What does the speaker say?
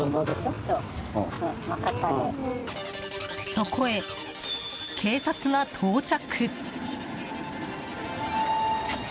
そこへ、警察が到着。